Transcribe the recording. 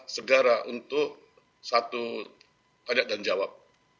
segara untuk satu tanda dan jawab